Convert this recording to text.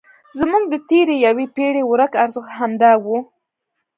زموږ د تېرې یوې پېړۍ ورک ارزښت همدا و.